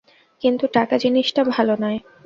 কিন্তু টাকা জিনিসটা ভালো নয়।